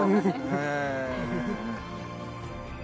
へえ。